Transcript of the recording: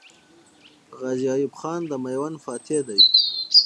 غازي ایوب خان د میوند فاتح دی.